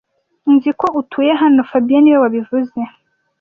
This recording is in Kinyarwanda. Nzi ko utuye hano fabien niwe wabivuze